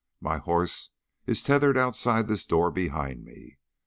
My horse is tethered outside this door behind me.